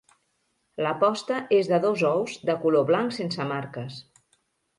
La posta és de dos ous de color blanc sense marques.